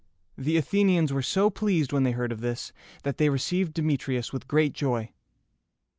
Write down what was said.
The Athenians were so pleased when they heard of this, that they received Demetrius with great joy.